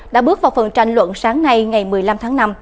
đã bước vào phần tranh luận sáng nay ngày một mươi năm tháng năm